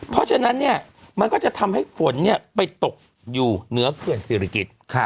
เพราะฉะนั้นเนี่ยมันก็จะทำให้ฝนไปตกอยู่เหนือเขื่อนศิริกิจ